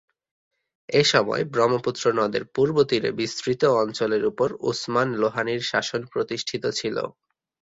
এ সময় ব্রহ্মপুত্র নদের পূর্ব তীরের বিস্তৃত অঞ্চলের উপর উসমান লোহানীর শাসন প্রতিষ্ঠিত ছিল।